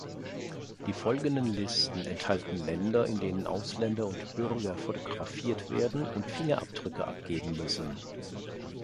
Die folgenden Listen enthalten Länder, in denen Ausländer und Bürger fotografiert werden und Fingerabdrücke abgeben müssen.